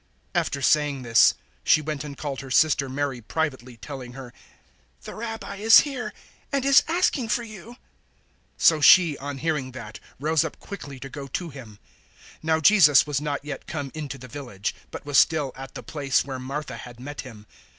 011:028 After saying this, she went and called her sister Mary privately, telling her, "The Rabbi is here and is asking for you." 011:029 So she, on hearing that, rose up quickly to go to Him. 011:030 Now Jesus was not yet come into the village, but was still at the place where Martha had met Him.